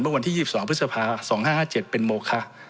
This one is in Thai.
วันที่๒๒พฤษภา๒๕๕๗เป็นโมคะ